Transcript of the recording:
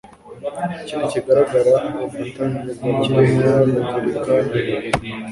ikindi kigaragaza ubufatanye bwa kiliziya gatolika na leta